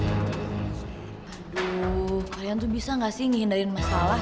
aduh kalian tuh bisa gak sih ngihindarin masalah